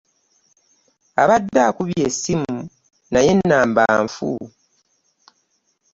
Abadde akubye esimu naye enamba nffu.